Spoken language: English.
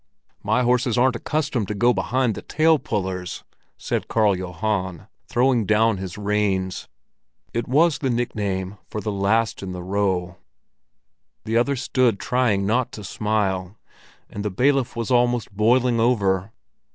"My horses aren't accustomed to go behind the tail pullers!" said Karl Johan, throwing down his reins. It was the nickname for the last in the row. The others stood trying not to smile, and the bailiff was almost boiling over.